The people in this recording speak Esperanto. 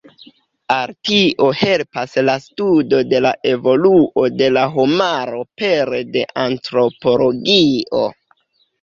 Al tio helpas la studo de la evoluo de la homaro pere de antropologio.